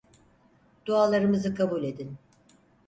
Dualarımızı kabul edin.